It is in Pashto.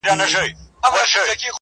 د فقیر لور په دربار کي ملکه سوه؛